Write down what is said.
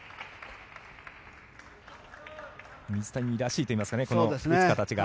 水谷らしいといいますかこの打つ形が。